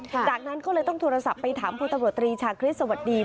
จากนั้นก็เลยต้องโทรศัพท์ไปถามพลตำรวจตรีชาคริสสวัสดี